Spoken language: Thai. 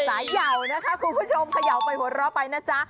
สายเหย่านะครับคุณผู้ชมพยาวไปหัวเราะไปนะจ๊ะ